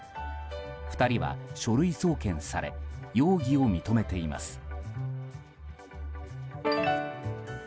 ２人は書類送検され容疑を認めています。